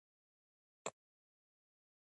انجینران باید ستونزو ته په وخت ځواب ووایي.